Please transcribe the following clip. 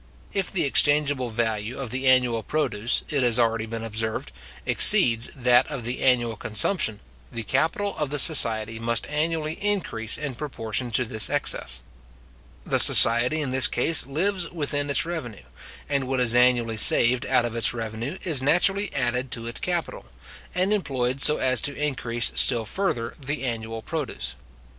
If the exchangeable value of the annual produce, it has already been observed, exceeds that of the annual consumption, the capital of the society must annually increase in proportion to this excess. The society in this case lives within its revenue; and what is annually saved out of its revenue, is naturally added to its capital, and employed so as to increase still further the annual produce.